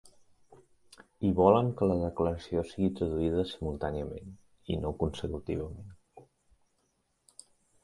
I volen que la declaració sigui traduïda simultàniament, i no consecutivament.